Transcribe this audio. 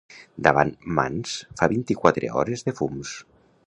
Davant Mans fa vint-i-quatre hores de fums.